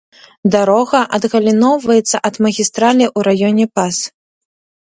Дарога адгаліноўваецца ад магістралі у раёне пас.